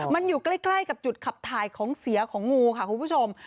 มันอยู่ใกล้กับจุดขับถ่ายของเสียของงูค่ะคุณผู้ชม